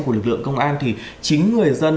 của lực lượng công an thì chính người dân